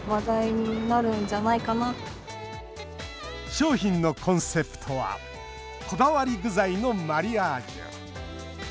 商品のコンセプトはこだわり具材のマリアージュ。